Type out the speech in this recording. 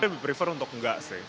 saya prefer untuk nggak sih